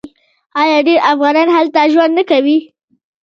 آیا ډیر افغانان هلته ژوند نه کوي؟